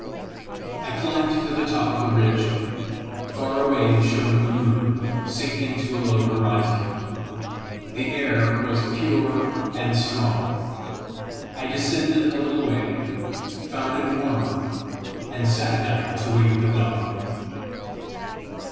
I climbed to the top of the ridge: far away shone the moon, sinking to a low horizon. The air was pure and strong. I descended a little way, found it warmer, and sat down to wait the dawn.